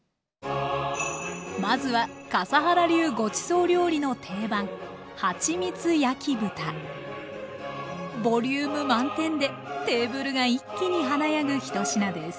まずは笠原流ごちそう料理の定番ボリューム満点でテーブルが一気に華やぐ１品です